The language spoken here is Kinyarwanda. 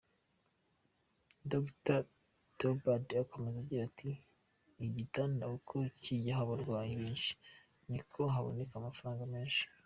Dr Theobald akomeza agira ati "Igitanda uko kijyaho abarwayi benshi, nibwo haboneka amafaranga menshi.